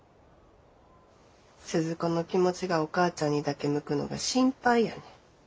鈴子の気持ちがお母ちゃんにだけ向くのが心配やねん。